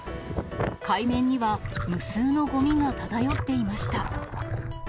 海面には、無数のごみが漂っていました。